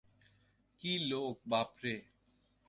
কি লোক বাপরে।